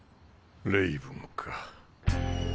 レイブンか。